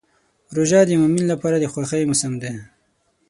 روژه د مؤمن لپاره د خوښۍ موسم دی.